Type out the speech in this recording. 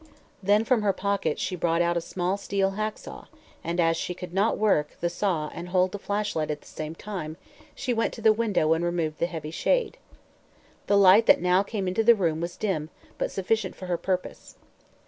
Then from her pocket she brought out a small steel hack saw, and as she could not work the saw and hold the flashlight at the same time she went to the window and removed the heavy shade. The light that now came into the room was dim, but sufficient for her purpose.